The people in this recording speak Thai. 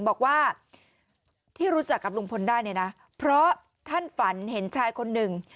บอกว่าที่รู้จักกับลุงพลได้เนี่ยนะเพราะท่านฝันเห็นชายคนหนึ่ง